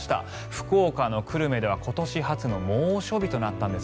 福岡の久留米では今年初の猛暑日となったんです。